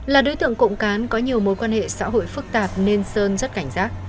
là đối tượng cộng cán có nhiều mối quan hệ xã hội phức tạp nên sơn rất cảnh giác